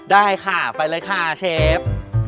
ได้ค่ะไปเลยค่ะเชฟ